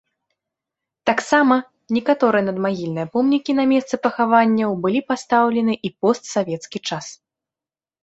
Таксама, некаторыя надмагільныя помнікі на месцы пахаванняў былі пастаўлены і ў постсавецкі час.